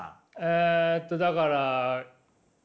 えとだから。